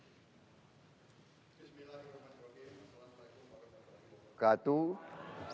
bismillahirrahmanirrahim assalamu'alaikum warahmatullahi wabarakatuh